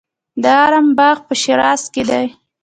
د ارم باغ په شیراز کې دی.